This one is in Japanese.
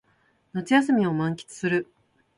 夏休みを満喫する